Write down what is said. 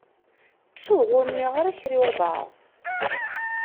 Ttuɣ ur nniɣ ara kra i wabɛaḍ.